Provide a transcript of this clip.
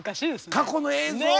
過去の映像は。